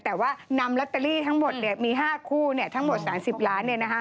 แต่ว่านำลอตเตอรี่ทั้งหมดมี๕คู่ทั้งหมด๓๐ล้าน